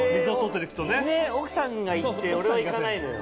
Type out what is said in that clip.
奥さんが行って俺は行かないのよ。